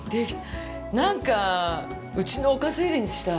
なんかうちのおかず入れにしたい。